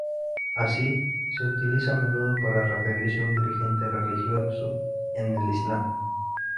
Así, se utiliza a menudo para referirse a un dirigente religioso en el islam.